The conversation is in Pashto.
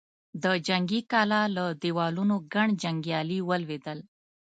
د جنګي کلا له دېوالونو ګڼ جنګيالي ولوېدل.